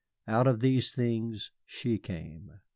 Out of these things she came.